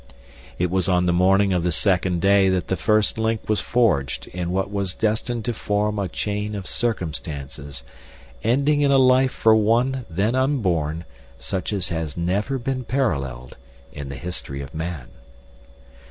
It was on the morning of the second day that the first link was forged in what was destined to form a chain of circumstances ending in a life for one then unborn such as has never been paralleled in the history of man.